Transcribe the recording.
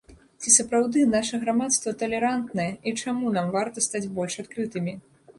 Ці сапраўды наша грамадства талерантнае і чаму нам варта стаць больш адкрытымі?